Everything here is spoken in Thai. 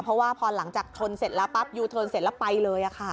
เพราะว่าพอหลังจากชนเสร็จแล้วปั๊บยูเทิร์นเสร็จแล้วไปเลยค่ะ